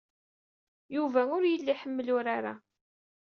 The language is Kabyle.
Yuba ur yelli iḥemmel urar-a.